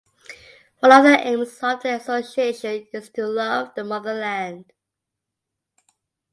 One of the aims of the Association is to "love the motherland".